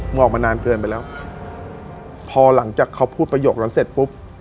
ออกมานานเกินไปแล้วพอหลังจากเขาพูดประโยคนั้นเสร็จปุ๊บ